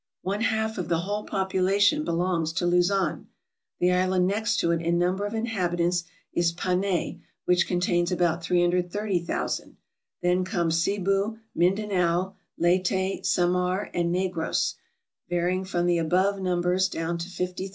One half of the whole population belongs to Luzon. The island next to it in num ber of inhabitants is Panay, which contains about 330,000. Then come Zebu, Mindanao, Leyte, Samar, and Negros, varying from the above numbers down to 50,000.